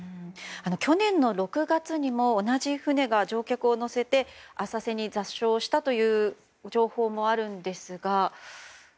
去年の６月にも同じ船が乗客を乗せて浅瀬に座礁したという情報もあるんですが。